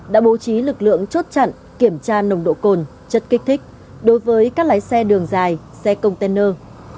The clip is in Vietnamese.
đã bố trí lực lượng chốt chặn kiểm tra nồng độ cồn chất kích thích đối với các lái xe đường dài xe container